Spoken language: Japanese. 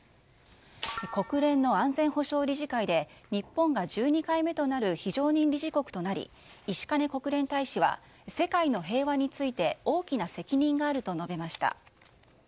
国連の安全保障理事会で日本が１２回目となる非常任理事国となり石兼国連大使は世界の平和について大きな責任があると述べました。